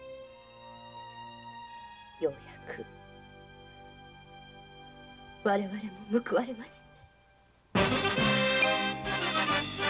ようやく我々も報われますね。